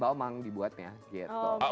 baumang dibuatnya gitu